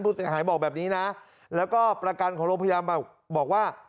เสียหายบอกแบบนี้นะแล้วก็ประกันของโรงพยาบาลบอกว่า